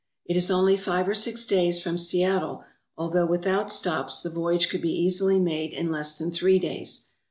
It is only five or six days from Seattle, although without stops the voyage could be easily made in less than three days.